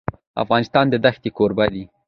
افغانستان د ښتې کوربه دی.